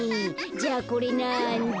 じゃあこれなんだ？